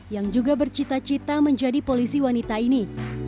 yang juga bercita cita menjadi polisi wanita ini